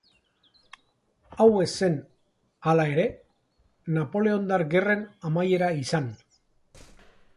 Hau ez zen, hala ere, Napoleondar Gerren amaiera izan.